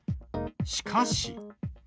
しかし。